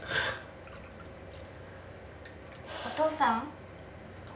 ・お父さん。